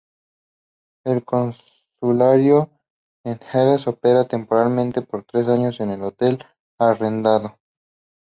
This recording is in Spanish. El consulado en Herat operará temporalmente por tres años en un hotel arrendado.